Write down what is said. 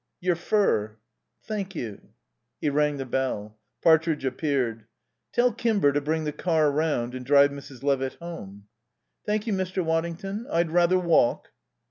"Your fur." "Thank you." He rang the bell. Partridge appeared. "Tell Kimber to bring the car round and drive Mrs. Levitt home." "Thank you, Mr. Waddington, I'd rather walk."